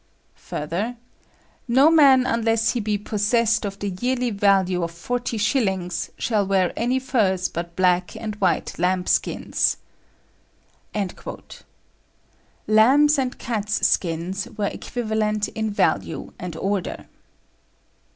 Further: "No man, unless he be possessed of the yearly value of forty shillings, shall wear any furs but black and white lambs' skins." Lambs' and cats' skins were equivalent in value and order.